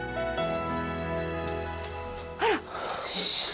あら！